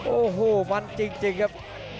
โอ้โหมันจริงครับ